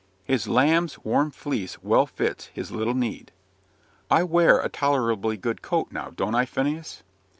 'His lambs' warm fleece well fits his little need ' I wear a tolerably good coat now, don't I, Phineas?"